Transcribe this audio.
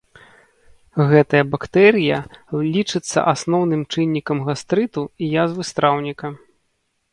Гэтая бактэрыя лічыцца асноўным чыннікам гастрыту і язвы страўніка.